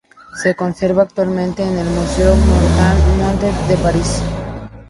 Se conserva actualmente en el Museo Marmottan-Monet de París.